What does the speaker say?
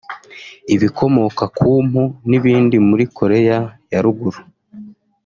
ibikomoka ku mpu n’ibindi muri Koreya ya Ruguru